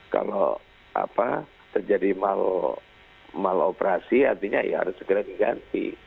kalau terjadi mal operasi artinya ya harus segera diganti